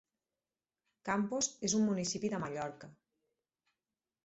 Campos és un municipi de Mallorca.